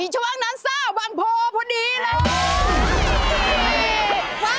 ช่วงนั้นซ่าวังโพพอดีเลย